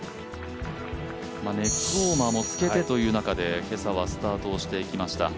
ネックウォーマーも着けてという中で今朝はスタートしていきました。